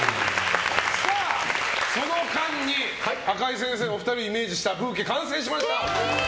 その間に赤井先生のお二人をイメージしたブーケ、完成しました。